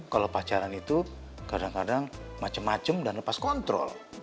kalau pacaran itu kadang kadang macam macam dan lepas kontrol